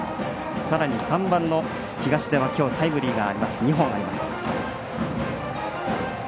さらに３番の東出がタイムリーが２本あります。